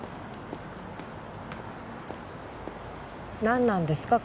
なんなんですか？